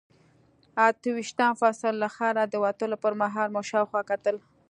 اته ویشتم فصل، له ښاره د وتلو پر مهال مو شاوخوا کتل.